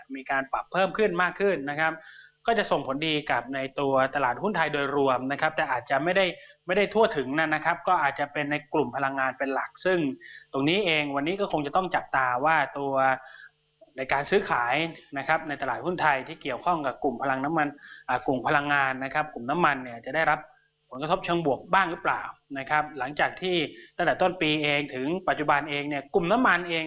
มีการปรับเพิ่มขึ้นมากขึ้นนะครับก็จะส่งผลดีกับในตัวตลาดหุ้นไทยโดยรวมนะครับแต่อาจจะไม่ได้ไม่ได้ทั่วถึงนั่นนะครับก็อาจจะเป็นในกลุ่มพลังงานเป็นหลักซึ่งตรงนี้เองวันนี้ก็คงจะต้องจับตาว่าตัวในการซื้อขายนะครับในตลาดหุ้นไทยที่เกี่ยวข้องกับกลุ่มพลังน้ำมันกลุ่มพลังง